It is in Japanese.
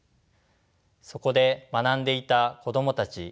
そこで学んでいた子供たち